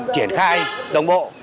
triển khai đồng bộ